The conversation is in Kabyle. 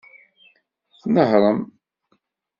Tnehṛem.